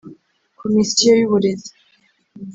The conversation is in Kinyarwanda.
Komisiyo y’Uburezi